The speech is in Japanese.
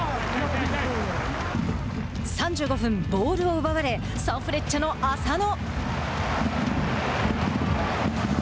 ３５分ボールを奪われサンフレッチェの浅野。